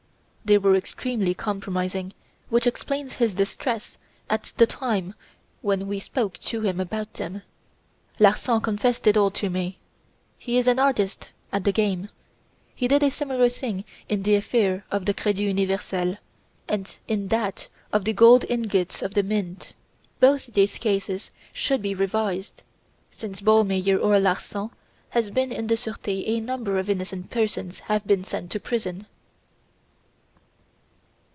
They were extremely compromising, which explains his distress at the time when we spoke to him about them. Larsan confessed it all to me. He is an artist at the game. He did a similar thing in the affair of the 'Credit Universel,' and in that of the 'Gold Ingots of the Mint.' Both these cases should be revised. Since Ballmeyer or Larsan has been in the Surete a number of innocent persons have been sent to prison."